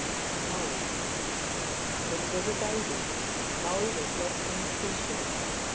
MAUI When he was a baby Maui was lost on the sea shore.